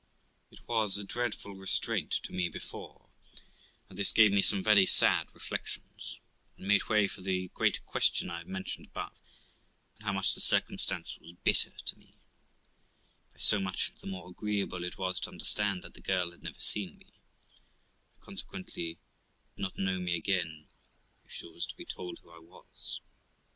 It was a dreadful restraint to me before, and this gave me some very sad reflections, and made way for the great question I have mentioned above ; and by how much the circumstance was bitter to me, by so much the more agreeable it was to understand that the girl had never seen me, and consequently did not know me again if she was to be told who I was.